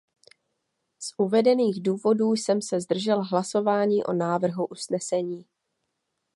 Z uvedených důvodů jsem se zdržel hlasování o návrhu usnesení.